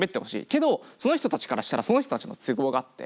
けどその人たちからしたらその人たちの都合があって。